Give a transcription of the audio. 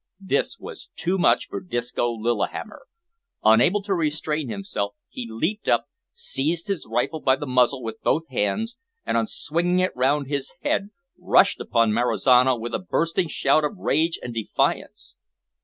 This was too much for Disco Lillihammer. Unable to restrain himself, he leaped up, seized his rifle by the muzzle with both hands, and, swinging it round his head, rushed upon Marizano with a bursting shout of rage and defiance.